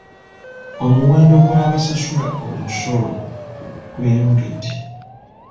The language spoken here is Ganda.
Omuwendo gw'abasasula omusolo gweyongedde.